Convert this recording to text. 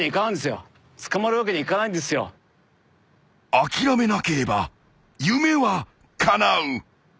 ［諦めなければ夢はかなう］